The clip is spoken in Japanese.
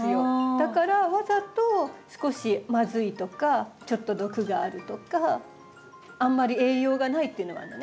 だからわざと少しまずいとかちょっと毒があるとかあんまり栄養がないっていうのもあるのね。